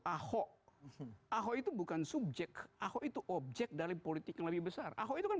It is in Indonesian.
ahok ahok itu bukan subjek aku itu objek dari politik yang lebih besar